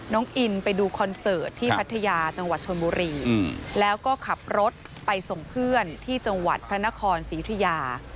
น้องอินไปดูคอนเสิร์ตที่พัทยาจังหวัดชนบุรีแล้วก็ขับรถไปส่งเพื่อนที่จังหวัดพระนครศรียุธิยา